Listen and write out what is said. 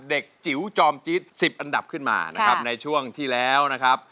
เด็กจิ๋วจอมจี๊ดอันดับขึ้นมาในช่วงที่แล้วนะครับ